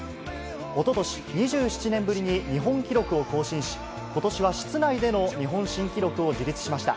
おととし、２７年ぶりに日本記録を更新し、ことしは室内での日本新記録を樹立しました。